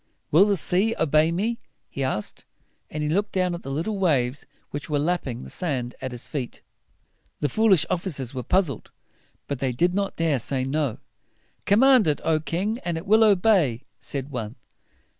"Will the sea obey me?" he asked; and he looked down at the little waves which were lapping the sand at his feet. The foolish officers were puzzled, but they did not dare to say "No." "Command it, O king! and it will obey," said one.